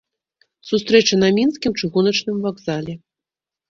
Сустрэча на мінскім чыгуначным вакзале.